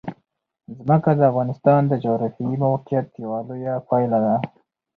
ځمکه د افغانستان د جغرافیایي موقیعت یوه لویه پایله ده.